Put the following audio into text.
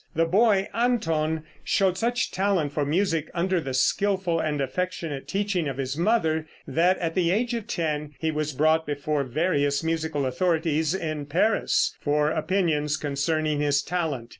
The boy Anton showed such talent for music under the skillful and affectionate teaching of his mother, that at the age of ten he was brought before various musical authorities in Paris for opinions concerning his talent.